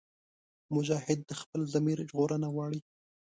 مجاهد د خپل ضمیر ژغورنه غواړي.